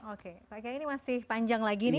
oke pak kiai ini masih panjang lagi nih